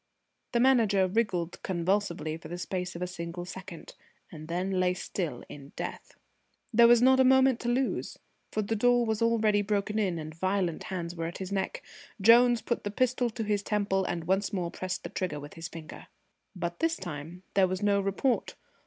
The Manager wriggled convulsively for the space of a single second, and then lay still in death. There was not a moment to lose, for the door was already broken in and violent hands were at his neck. Jones put the pistol to his temple and once more pressed the trigger with his finger. But this time there was no report.